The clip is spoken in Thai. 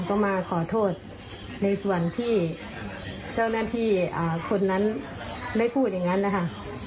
ก็มาขอโทษในส่วนที่เจ้าหน้าที่คนนั้นได้พูดอย่างนั้นนะคะ